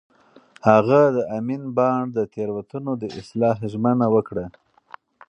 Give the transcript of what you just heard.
هغه د امین بانډ د تېروتنو د اصلاح ژمنه وکړه.